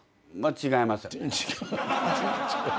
違いますね。